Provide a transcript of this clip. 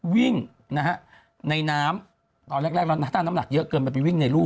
วิ่งนะฮะในน้ำตอนแรกแล้วนะถ้าน้ำหนักเยอะเกินไปวิ่งในรู